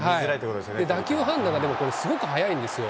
打球判断がこれ、すごく早いんですよ。